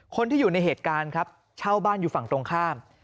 คนที่อยู่ในเหตุการณ์ครับเช่าบ้านอยู่ฝั่งตรงข้าม